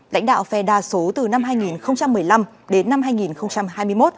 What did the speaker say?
lãnh đạo phe đa số từ năm hai nghìn một mươi năm đến năm hai nghìn hai mươi một